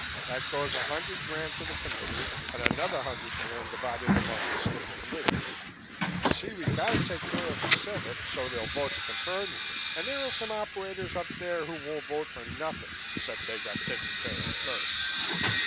That goes a hundred grand to the Committee and another hundred grand divided among the State Committees. You see, we got to take care of the Senate so they'll vote to confirm you and there are some operators up there what won't vote for nothing 'cept they get taken care of first.